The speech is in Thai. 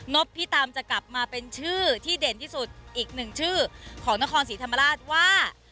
บพี่ตามจะกลับมาเป็นชื่อที่เด่นที่สุดอีกหนึ่งชื่อของนครศรีธรรมราชว่า